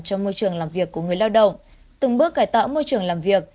cho môi trường làm việc của người lao động từng bước cải tạo môi trường làm việc